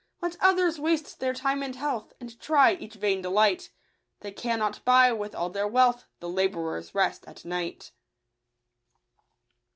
Let others waste their time and health, And try each vain delight, They cannot buy, with all their wealth, The labourer's rest at night."